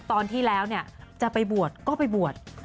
ตอนที่แล้วจะไปบวชก็ไปบวช